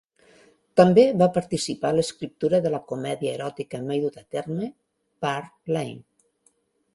També va participar a l'escriptura de la comèdia eròtica mai duta a terme "Park Lane".